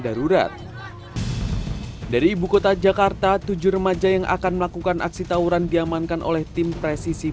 darurat dari ibu kota jakarta tujuh remaja yang akan melakukan aksi tawuran diamankan oleh tim presisi